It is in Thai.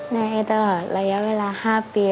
แม่ไอ้ตลอดระยะเวลา๕ปี